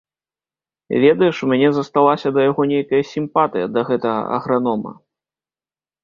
Ведаеш, у мяне засталася да яго нейкая сімпатыя, да гэтага агранома.